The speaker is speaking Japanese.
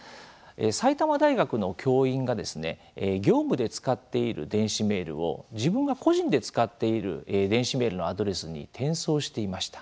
埼玉大学の教員が業務で使っている電子メールを自分が個人で使っている電子メールのアドレスに転送していました。